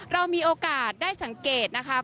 เรามีโอกาสได้สังเกตนะคะ